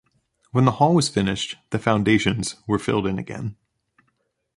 When the hall was finished, the foundations were filled in again.